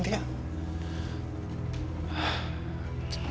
kok gak dibalas sama sintia